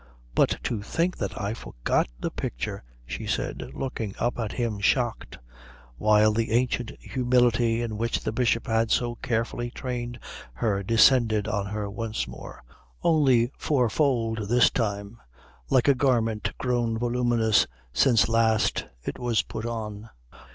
"But to think that I forgot the picture!" she said, looking up at him shocked, while the ancient humility in which the Bishop had so carefully trained her descended on her once more, only four fold this time, like a garment grown voluminous since last it was put on.